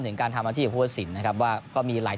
ถึงแม้เราจะไม่มีตัวบาซิลนะครับหมากตัวเจียโก